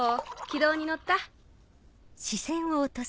軌道にのった？